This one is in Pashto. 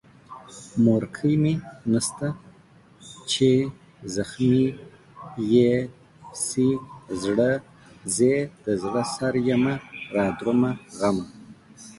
مورکۍ مې نسته چې زخمي يې سي زړه، زې دزړه سريمه رادرومه غمه